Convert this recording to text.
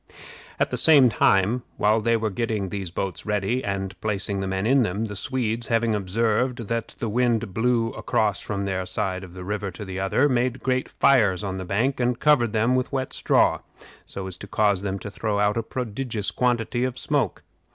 At the same time, while they were getting these boats ready, and placing the men in them, the Swedes, having observed that the wind blew across from their side of the river to the other, made great fires on the bank, and covered them with wet straw, so as to cause them to throw out a prodigious quantity of smoke.